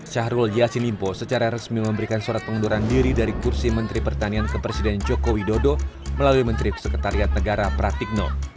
syahrul yassin limpo secara resmi memberikan surat pengunduran diri dari kursi menteri pertanian ke presiden joko widodo melalui menteri sekretariat negara pratikno